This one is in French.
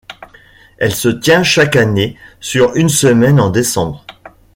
Elle se tient chaque année sur une semaine en décembre.